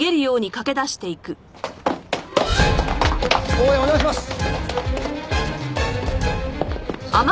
応援お願いします！